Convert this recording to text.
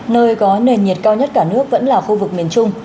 nơi có nền nhiệt cao nhất cả nước vẫn là khu vực miền trung